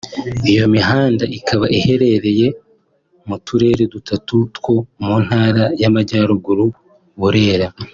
Iyo mihanda ikaba iherereye mu turere dutatu two mu Ntara y’Amajyaruguru (Burera